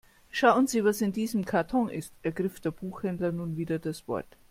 Schauen Sie, was in diesem Karton ist, ergriff der Buchhändler nun wieder das Wort.